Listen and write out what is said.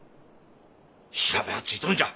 調べはついとるんじゃ。